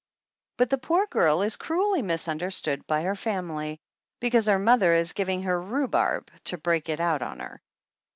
But the poor girl is cruelly misunderstood by her family, because her mother is giving her rhubarb to break it out on her.